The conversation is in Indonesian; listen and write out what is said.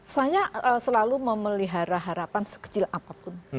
saya selalu memelihara harapan sekecil apapun